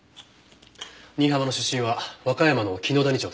新浜の出身は和歌山の紀野谷町です。